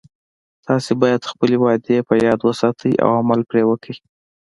تاسې باید خپلې وعدې په یاد وساتئ او عمل پری وکړئ